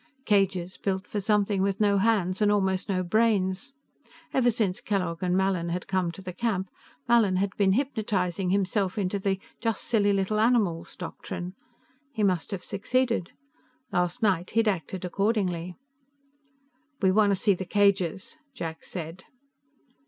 Cages built for something with no hands and almost no brains. Ever since Kellogg and Mallin had come to the camp, Mallin had been hypnotizing himself into the just silly little animals doctrine. He must have succeeded; last night he'd acted accordingly. "We want to see the cages," Jack said.